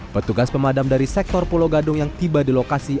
petugas pemadam dari sektor pulau gadung yang tiba di lokasi